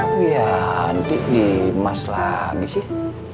bianti dimas lagi sih